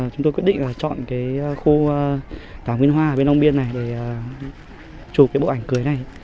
chúng tôi quyết định chọn khu thảo nguyên hoa bên long biên để chụp bộ ảnh cưới này